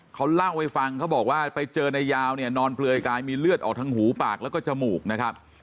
เขาเล่าให้ฟังเขาบอกว่าไปเจอนายยาวเนี่ยนอนเปลือยกายมีเลือดออกทางหูปากแล้วก็จมูกนะครับ